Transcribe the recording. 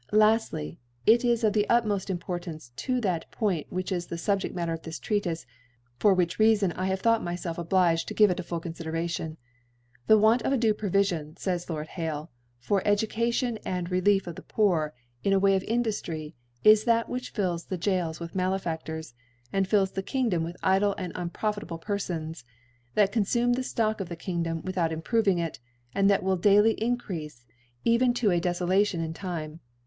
Laftly, it is of the ut iTioft Importance to that Point which is the Subjedl Matter of this Treatife, for which Reafon I have thought myfelf obliged te give it a full Confideration. ' The Want * of a due Provifion, fays Lord' + Hale^ * for Education and Relief of the Poor in * a Way of Induftry, is that which filb ^ the Goals with Makfadlors, and fills the * Kingdom with idle and unprofitable Per * Tons thatGonfume the Stock of the King ^ dom without improving it,, and that will * daily increafc, even to a Defolation in * Time.